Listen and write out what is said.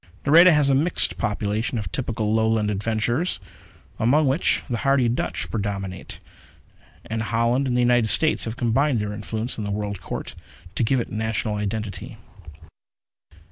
Nareda has a mixed population of typical Lowland adventures, among which the hardy Dutch predominate; and Holland and the United States have combined their influence in the World Court to give it national identity.